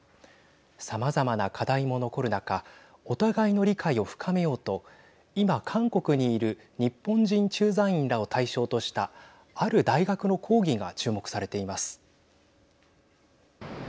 さまざまな課題も残る中お互いの理解を深めようと今、韓国にいる日本人駐在員らを対象としたある大学の講義が注目されています。